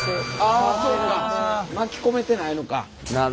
あそうか巻き込めてないのか。